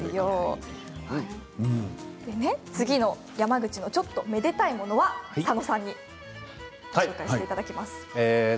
次の山口のちょっとめでたいものは佐野さんに紹介していただきます。